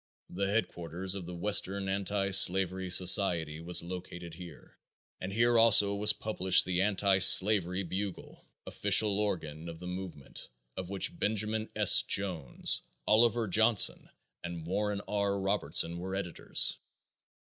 The headquarters of the "Western Anti Slavery Society" was located here, and here also was published the "Anti Slavery Bugle," official organ of the movement, of which Benjamin S. Jones, Oliver Johnson and Warren R. Robertson were editors.